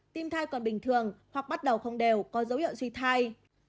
tim thai còn bình thường hoặc bắt đầu không đều có dấu hiệu suy thai